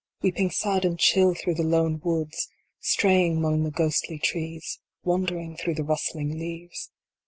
Weeping sad and chill through the lone woods. Straying mong the ghostly trees. Wandering through the rustling leaves.